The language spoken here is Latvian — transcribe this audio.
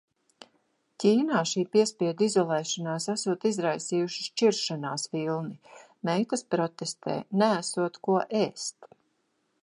Ķīnā šī piespiedu izolēšanās esot izraisījusi šķiršanās vilni. Meitas protestē – neesot ko ēst.